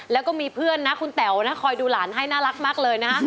แล้วก็มีเพื่อนนะคุณแต๋วนะคอยดูหลานให้น่ารักมากเลยนะ